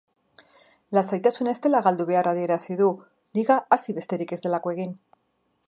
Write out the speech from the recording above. Lasaitasuna ez dela galdu behar adierazi du liga hasi besterik ez delako egin.